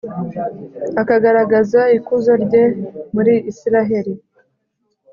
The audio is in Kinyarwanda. akagaragaza ikuzo rye muri israheli.